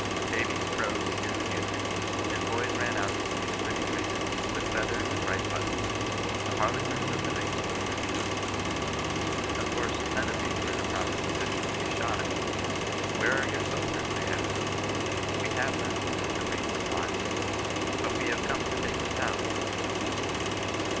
Babies crowed to hear the music, and boys ran out to see the Eretty trainers, with feathers and bright buttons, ' the arlequins of the nineteenth century.' Of course, none of these were in a proper position to be shot at. ' Where are your soldiers Y they awced. ' We have none,' was the brief reply. ' But we have come to take the town.'